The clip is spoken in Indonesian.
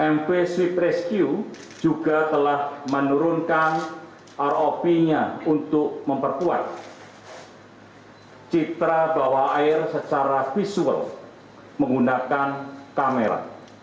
mp sweep rescue juga telah menurunkan rop nya untuk memperkuat citra bawah air secara visual menggunakan kamera